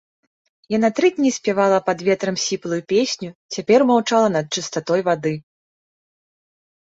Яна тры дні спявала пад ветрам сіплую песню, цяпер маўчала над чыстатой вады.